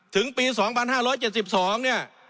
ถึงปี๒๕๗๒เนี่ย